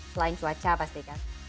selain cuaca pasti kan